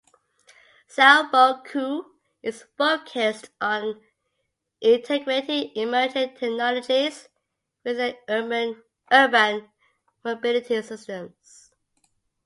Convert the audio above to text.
Xiaobo Qu is focused on integrating emerging technologies with the urban mobility systems.